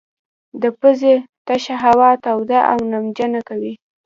د پزې تشه هوا توده او نمجنه کوي.